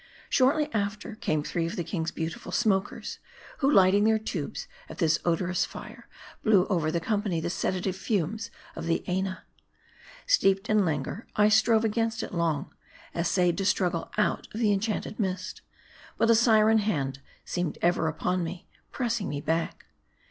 Shortly after, came three of the king's beautiful smokers ; who, lighting their tubes at this odorous fire, blew over the company the sedative fumes of the Aina. Steeped in languor, I strove against it long ; essayed to struggle out of the enchanted mist. But a syren hand seemed ever upon me, pressing me back.